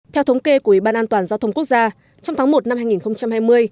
theo thống kê của ủy ban an toàn giao thông quốc gia trong tháng một năm hai nghìn hai mươi